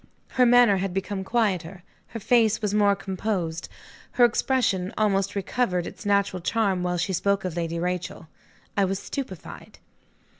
Her manner had become quieter; her face was more composed; her expression almost recovered its natural charm while she spoke of Lady Rachel. I was stupefied.